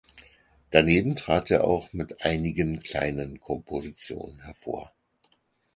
Daneben trat er auch mit einigen kleinen Kompositionen hervor.